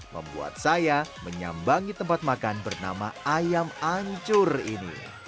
membuat saya menyambangi tempat makan bernama ayam ancur ini